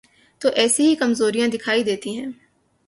تو ایسی ہی کمزوریاں دکھائی دیتی ہیں۔